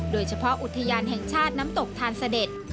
โดยเฉพาะอุทยานแห่งชาติน้ำตกทานเสด็จ